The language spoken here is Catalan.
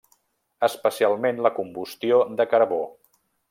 Especialment la combustió de carbó.